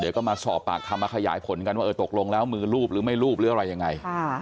เดี๋ยวก็มาสอบปากคำมาขยายผลกันว่าเออตกลงแล้วมือรูปหรือไม่รูปหรืออะไรยังไง